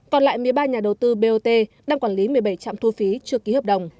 còn lại một mươi ba nhà đầu tư bot đang quản lý một mươi bảy trạm thu phí chưa ký hợp đồng